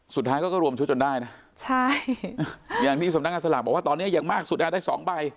สุดท้ายก็รวมชุดจนได้นะใช่อย่างที่สำนักงานสลากบอกว่าตอนนี้อย่างมากสุดได้สองใบ